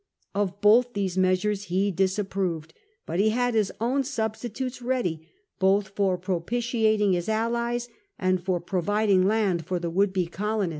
Of both these measures he disapproved, but he had his own substitutes ready, both for propitiating the allies and for providing land for the would be colonists.